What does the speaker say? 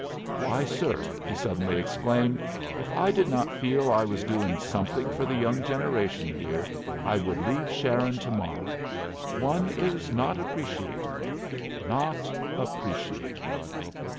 "Why, sir," he suddenly exclaimed, "if I did not feel I was doing something for the young generation here, I should leave Sharon to morrow! One is not appreciated, not appreciated."